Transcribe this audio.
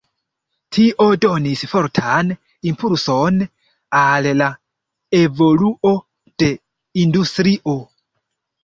Tio donis fortan impulson al la evoluo de industrio.